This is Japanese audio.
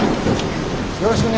よろしぐね。